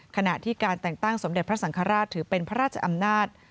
ขณะที่การแต่งตั้งสมเด็จพระสังฆราชถือเป็นพระราชอำนาจ